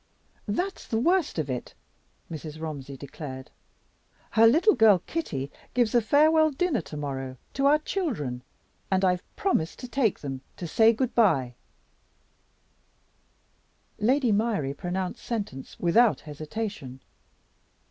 "That's the worst of it!" Mrs. Romsey declared. "Her little girl Kitty gives a farewell dinner to morrow to our children; and I've promised to take them to say good by." Lady Myrie pronounced sentence without hesitation.